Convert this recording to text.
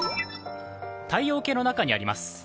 太陽系の中にあります。